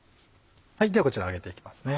ではこちら揚げていきますね。